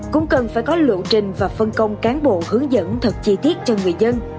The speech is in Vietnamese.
cũng cần phải có lộ trình và phân công cán bộ hướng dẫn thật chi tiết cho người dân